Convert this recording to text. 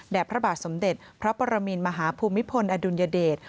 พระบาทสมเด็จพระปรมินมหาภูมิพลอดุลยเดช